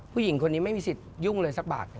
ผู้หญิงคนนี้ไม่มีสิทธิ์ยุ่งเลยสักบาท